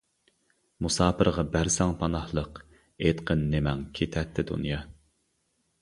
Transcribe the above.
مۇساپىرغا بەرسەڭ پاناھلىق، ئېيتقىن نېمەڭ كېتەتتى دۇنيا.